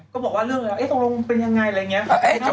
ก็บอกว่าเรื่องอะไรตรงเป็นยังไงอะไรอย่างเงี้ย